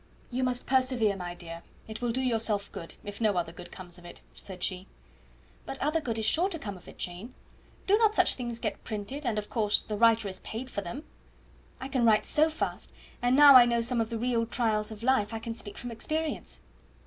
"You must persevere, my dear. It will do yourself good, if no other good comes of it," said she. "But other good is sure to come of it, Jane. Do not such things get printed, and of course the writer is paid for them? I can write so fast; and now I know some of the real trials of life, I can speak from experience."